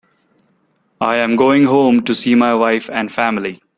I'm going home and see my wife and family.